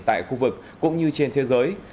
tại khu vực cũng như trên thế giới